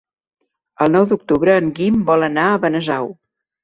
El nou d'octubre en Guim vol anar a Benasau.